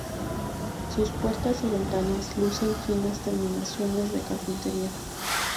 Sus puertas y ventanas lucen finas terminaciones de carpintería.